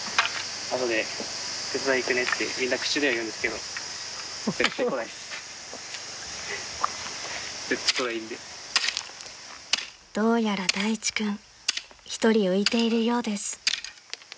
［どうやら大地君一人浮いているようです］